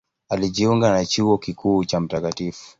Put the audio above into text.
Alijiunga na Chuo Kikuu cha Mt.